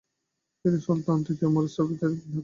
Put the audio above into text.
তিনি সুলতান তৃৃৃৃৃতীয় মুরাদ এবং সাফিয়ে সুুুলতানের নাতি।